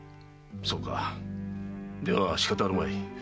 そうかではしかたあるまい。